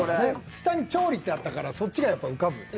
下に「調理」ってあったからそっちがやっぱ浮かぶよね。